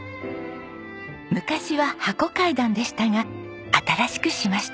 昔は箱階段でしたが新しくしました。